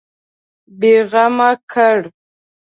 بېغمه کړ.